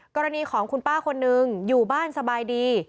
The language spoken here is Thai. กรณีของคุณป้าคนนึงอยู่บ้านสบายดี